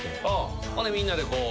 ほんでみんなでこう。